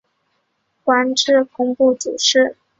官至工部主事。